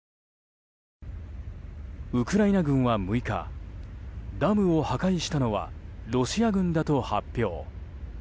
ウクライナ軍は６日ダムを破壊したのはロシア軍だと発表。